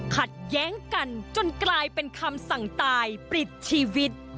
ขัดแย้งกันจนกลายเป็นคำสั่งตายปลิดชีวิต